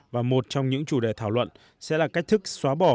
và một trong những chủ đề thảo luận sẽ là cách thức xóa bỏ